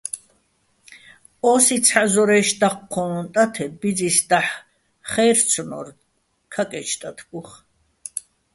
ო́სი ცჰ̦ა ზორაჲში̆ დაჴჴო́ჼ ტათებ ბიძის დაჰ̦ ხაჲრცნო́რ ქაკე́ჩ ტათბუხ.